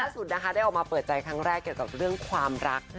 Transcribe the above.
สุดนะคะได้ออกมาเปิดใจครั้งแรกเกี่ยวกับเรื่องความรัก